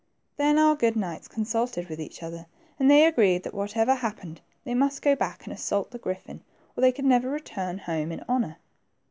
Then our good knights consulted with each other, and they agreed that whatever happened, they must go back and assault the griffin, or they could never return home in honor.